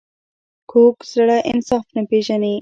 کوږ زړه انصاف نه پېژني